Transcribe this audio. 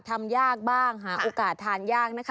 ทำยากบ้างหาโอกาสทานยากนะคะ